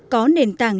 có nền tảng